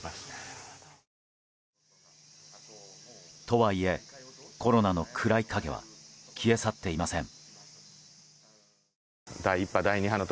とはいえ、コロナの暗い影は消え去っていません。